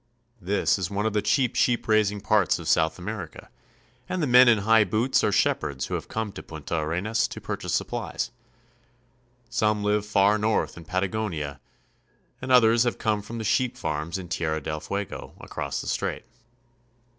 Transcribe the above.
This is one of the chief sheep raising parts of South America, and the men in high boots are shepherds who have come to Punta Arenas to purchase supplies. Some live far north in Pata gonia, and others have come from the sheep farms in Tierra del Fuego, across the strait.